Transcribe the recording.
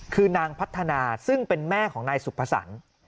คือนางพัฒนาซึ่งเป็นแม่ของนายสุภสรรค์